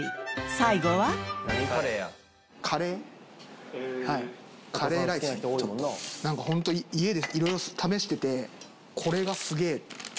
最後はカレーライスをちょっと何かホント家で色々試しててこれがすげえ